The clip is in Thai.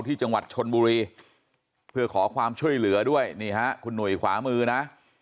ที่จังหวัดชนบุรีเพื่อขอความช่วยเหลือด้วยนี่ฮะคุณหนุ่ยขวามือนะ